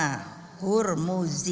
bapak muhammad riazul muzy